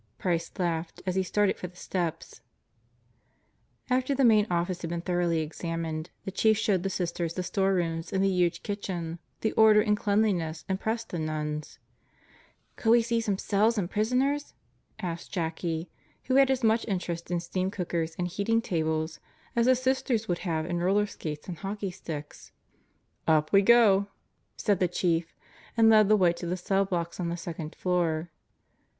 Price laughed as he started for the steps. After the main office had been thoroughly examined, the Chief showed the Sisters the storerooms and the huge kitchen. The order and cleanliness impressed the nuns. "Could we see some cells and prisoners?" asked Jackie, who had as much interest in steam cookers and heating tables as the Sisters would have in roller skates and hockey sticks. 12 God Goes to Murderer's Row "Up we go," said the Chief and led the way to the cell blocks on the second floor.